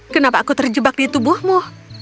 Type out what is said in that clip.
kenapa aku terjebak di tubuhmu